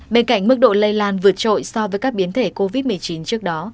bên cạnh mức độ lây lan vượt trội so với các biến thể covid một mươi chín trước đó